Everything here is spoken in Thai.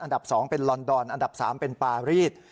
อันดับ๒เป็นลอนดอนอันดับ๓เป็นปารีส